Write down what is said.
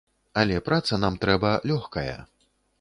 Але праца нам трэба лёгкая.